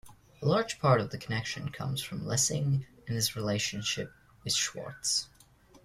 A large part of that connection comes from Lessig and his relationship with Swartz.